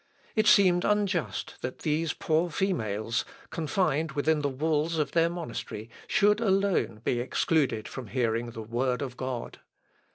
It seemed unjust that these poor females, confined within the walls of their monastery, should alone be excluded from hearing the Word of God.